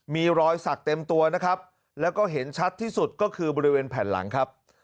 มีรอยสักเต็มตัวนะครับแล้วก็เห็นชัดที่สุดก็คือบริเวณแผ่นหลังครับ